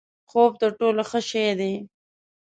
خوب تر ټولو ښه شی دی؛